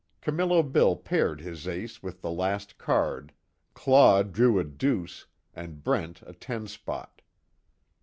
Camillo Bill paired his ace with the last card, Claw drew a deuce, and Brent a ten spot.